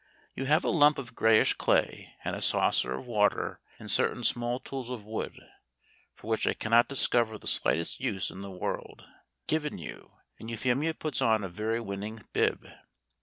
You have a lump of greyish clay and a saucer of water and certain small tools of wood (for which I cannot discover the slightest use in the world) given you, and Euphemia puts on a very winning bib.